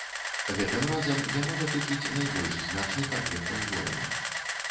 Гэтым разам яно датычыць найбольш значных аб'ектаў гораду.